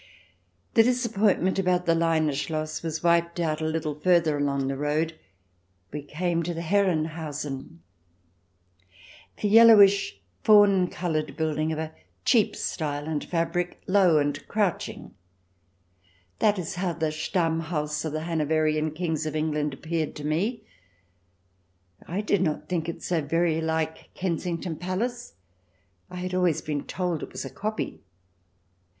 The disappointment about the Leine Schloss was wiped out a little farther along the road. We came to Herrenhausen. A yellowish, fawn coloured building of a cheap style and fabric, low and crouching — that is how the Stammhaus of the Hanoverian Kings of England appeared to me. I did not think it so very like Kensington Palace : I had always been told it was a copy.